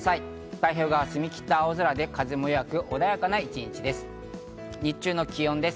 太平洋側は澄み切った青空で風もなく穏やかな一日です。